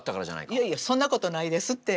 いやいやそんなことないですって。